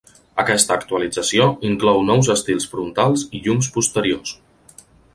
Aquesta actualització inclou nous estils frontals i llums posteriors.